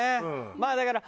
まあだから。